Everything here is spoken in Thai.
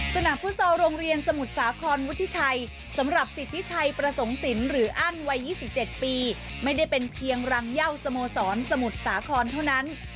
สนามภุตซอร์โรงเรียนสมุดสาขอนวุฒิชัยสำหรับสิทธิ์ใชประสงสินศ์หรืออั่นวัย๒๗ปีไม่ได้เป็นเพียงรังเย่าสโมศรสมุดสาขอนเท่านั้น